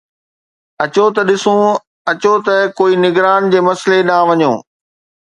اچو ته ڏسون، اچو ته ڪوئي نگران جي مسئلي ڏانهن وڃو